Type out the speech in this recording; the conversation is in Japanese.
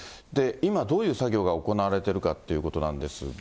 今、どういう作業が行われてるかってことなんですが。